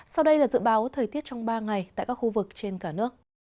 sau đây là dự báo thời tiết trong ba ngày tại các khu vực trên cả nước